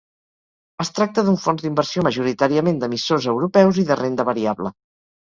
Es tracta d'un fons d'inversió majoritàriament d'emissors europeus i de renda variable.